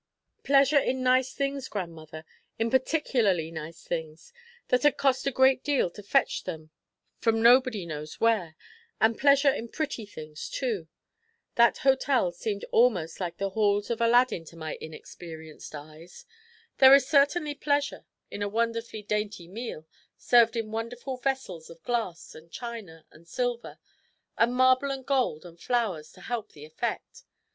"Pleasure in nice things, grandmother; in particularly nice things; that had cost a great deal to fetch them from nobody knows where; and pleasure in pretty things too. That hotel seemed almost like the halls of Aladdin to my inexperienced eyes. There is certainly pleasure in a wonderfully dainty meal, served in wonderful vessels of glass and china and silver, and marble and gold and flowers to help the effect.